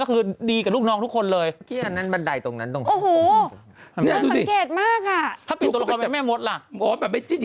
เขาคล้ายใกล้กันต่างจากเกาหลี